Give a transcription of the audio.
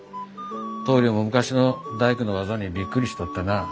棟りょうも昔の大工の技にびっくりしとったなあ。